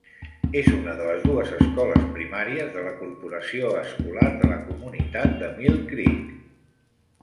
És una de les dues escoles primàries de la corporació escolar de la comunitat de Mill Creek.